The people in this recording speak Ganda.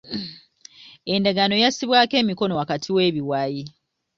Endagaano yassibwako emikono wakati w'ebiwayi.